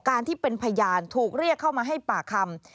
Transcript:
ที่เป็นพยานถูกเรียกเข้ามาให้ปากคำ